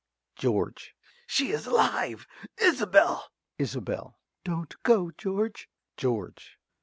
~George.~ She is alive! Isobel! ~Isobel.~ Don't go, George! ~George.